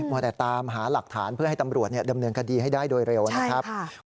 ว่าแต่ตามหาหลักฐานเพื่อให้ตำรวจดำเนินคดีให้ได้โดยเร็วนะครับ